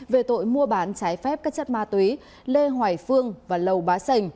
về tội mua bán trái phép các chất ma túy lê hoài phương và lầu bá sành